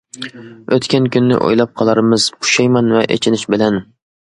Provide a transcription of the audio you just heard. ئۆتكەن كۈننى ئويلاپ قالارمىز، پۇشايمان ۋە ئېچىنىش بىلەن.